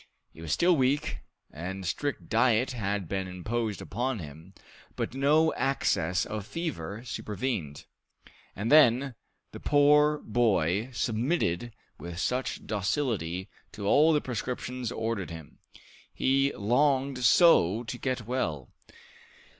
He was still weak, and strict diet had been imposed upon him, but no access of fever supervened. And then, the poor boy submitted with such docility to all the prescriptions ordered him! He longed so to get well!